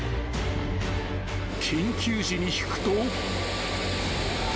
［緊急時に引くと］